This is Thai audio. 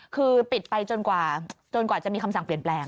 คือปิดไปจนกว่าจะมีคำสั่งเปลี่ยนแปลง